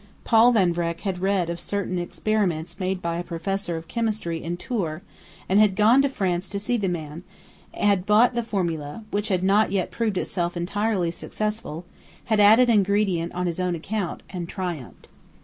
Paul Van Vreck had read of certain experiments made by a professor of chemistry in Tours, had gone to France to see the man, had bought the formula, which had not yet proved itself entirely successful; had added an ingredient on his own account, and triumphed.